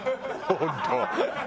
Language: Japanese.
本当。